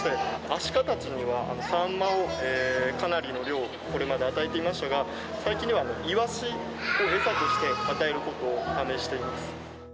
アシカたちには、サンマをかなりの量を、これまで与えていましたが、最近ではイワシを餌として与えることを試しています。